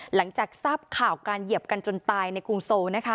หลังจากทราบข่าวการเหยียบกันจนตายในกรุงโซนะคะ